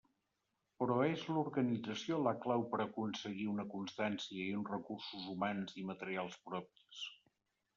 Però és l'organització la clau per a aconseguir una constància i uns recursos humans i materials propis.